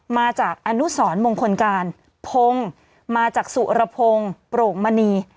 มาจากอนุสรมงคลการพงศ์มาจากสุรพงศ์โปร่งมณี